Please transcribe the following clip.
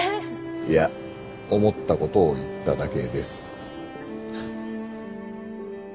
いや思ったことを言っただけです。